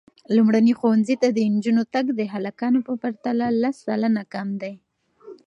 لومړني ښوونځي ته د نجونو تګ د هلکانو په پرتله لس سلنه کم دی.